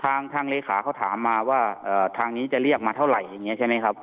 ทางเลขาเขาถามมาว่าทางนี้จะเรียกมาเท่าไหร่อย่างนี้ใช่ไหมครับ